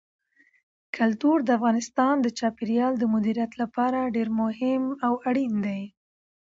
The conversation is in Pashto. کلتور د افغانستان د چاپیریال د مدیریت لپاره ډېر مهم او اړین دي.